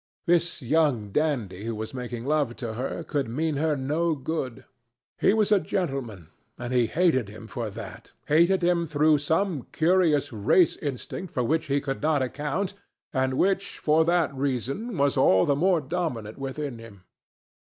This young dandy who was making love to her could mean her no good. He was a gentleman, and he hated him for that, hated him through some curious race instinct for which he could not account, and which for that reason was all the more dominant within him.